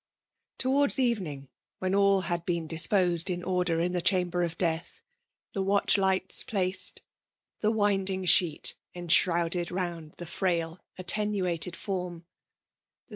Towards evening, when all had hecn dis^ posed in order in the chamber of death, — the ' watch'lights placcd,<* the winding sheet en^ . shrouded ronnd the frail attenuated form/^the.